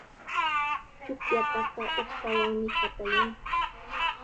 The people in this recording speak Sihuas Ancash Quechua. Chukllataqa uqshawanmi qatayan.